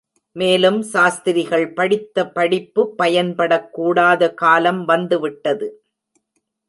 மேலும் சாஸ்திரிகள் படித்த படிப்பு பயன்படக்கூடாத காலம் வந்துவிட்டது.